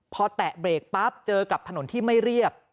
พอแตะเบรกปั๊บเจอกับถนนที่ไม่เรียบ